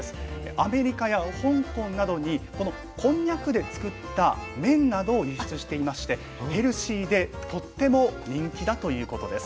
アメリカや香港などにこのこんにゃくで作った麺などを輸出していましてヘルシーでとっても人気だということです。